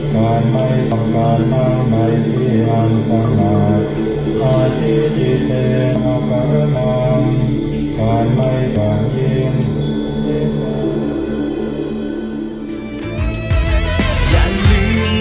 โปรดติดตามตอนต่อไป